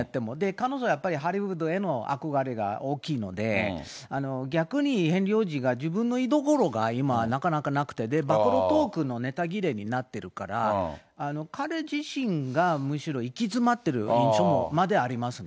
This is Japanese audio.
彼女やっぱりハリウッドへの憧れが大きいので、逆にヘンリー王子が自分の居所が今なかなかなくて、暴露トークのネタ切れになっているから、彼自身がむしろ行き詰まってる印象までありますね。